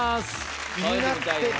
気になってた。